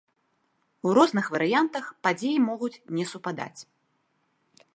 У розных варыянтах падзеі могуць не супадаць.